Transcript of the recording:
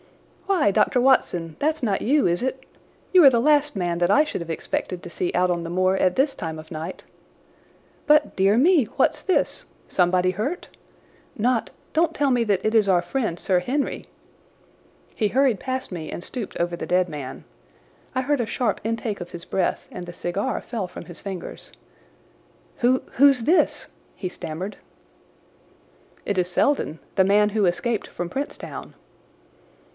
"Why, Dr. Watson, that's not you, is it? You are the last man that I should have expected to see out on the moor at this time of night. But, dear me, what's this? Somebody hurt? Not—don't tell me that it is our friend Sir Henry!" He hurried past me and stooped over the dead man. I heard a sharp intake of his breath and the cigar fell from his fingers. "Who—who's this?" he stammered. "It is Selden, the man who escaped from Princetown."